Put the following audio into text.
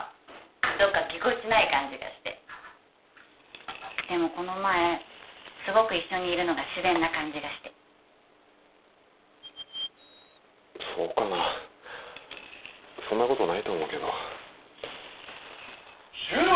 どっかぎこちない感じがしてでもこの前すごく一緒にいるのが自然な感じがしてそうかなそんなことないと思うけど柊！